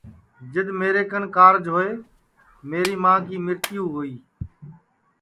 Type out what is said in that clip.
جِدؔ میرے کن کاررج ہوئے میری ماں کی مرتیو ہوئی